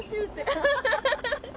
アハハハ。